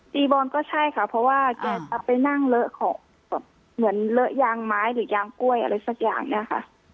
ตีบอลก็ใช่ค่ะเพราะว่าแกจะไปนั่งเลอะของแบบเหมือนเลอะยางไม้หรือยางกล้วยอะไรสักอย่างเนี่ยค่ะ